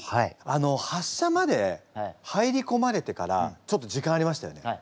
あの発射まで入りこまれてからちょっと時間ありましたよね。